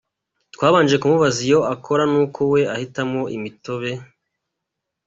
Twabanje kumubaza iyo akora nuko we ahitamo ‘Imitobe’”.